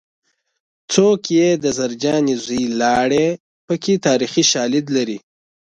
څوک یې د زرجانې زوی لاړې پکې تاریخي شالید لري